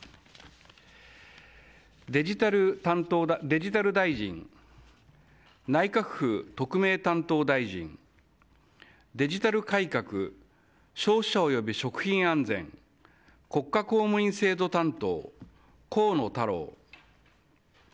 デジタル大臣内閣府特命担当大臣デジタル改革消費者および食品安全国家公務員制度担当河野太郎。